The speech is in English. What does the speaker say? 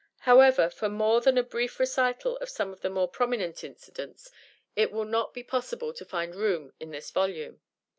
However, for more than a brief recital of some of the more prominent incidents, it will not be possible to find room in this volume.